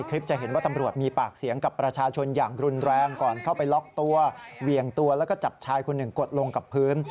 ก่อนเข้าไปล็อคตัวเวียงตัวแล้วก็จับชายคนหนึ่งกดลงกับพื้น